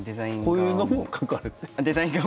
こういうのも描かれて。